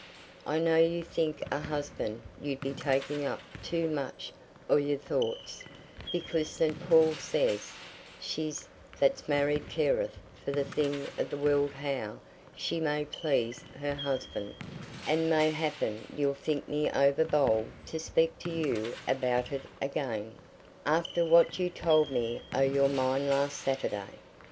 I know you think a husband 'ud be taking up too much o' your thoughts, because St. Paul says, 'She that's married careth for the things of the world how she may please her husband'; and may happen you'll think me overbold to speak to you about it again, after what you told me o' your mind last Saturday.